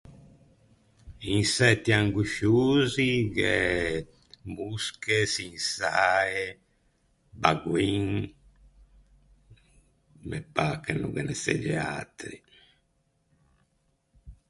Insetti angosciosi gh’é mosche, çinsae, bagoin. Me pâ che no ghe ne segge atri.